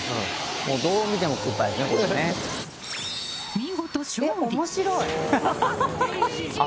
見事、勝利。